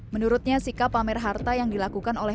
menurutnya sikap pamer harta yang dilakukan oleh